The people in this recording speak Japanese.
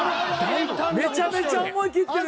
めちゃめちゃ思い切ってる。